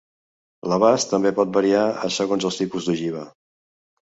L'abast també pot variar a segons el tipus d'ogiva.